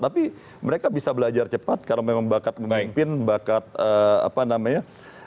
tapi mereka bisa belajar cepat karena memang bakat pemimpin bakat apa namanya